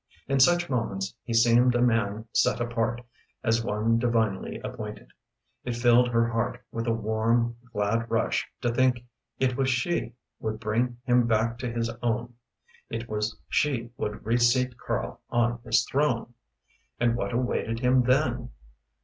In such moments, he seemed a man set apart; as one divinely appointed. It filled her heart with a warm, glad rush to think it was she would bring him back to his own. It was she would reseat Karl on his throne. And what awaited him then?